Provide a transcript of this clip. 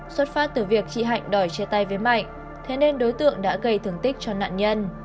xuất phát từ việc chị hạnh đòi chia tay với mạnh thế nên đối tượng đã gây thương tích cho nạn nhân